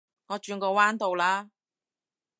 我轉個彎到啦